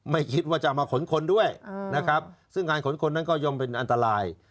ไม่คิดว่าจะมาขนคนด้วยนะครับซึ่งการขนคนนั้นก็ย่อมเป็นอันตราย